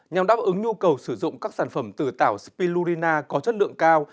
nhằm đáp ứng nhu cầu sử dụng các sản phẩm từ tảo spirurina có chất lượng cao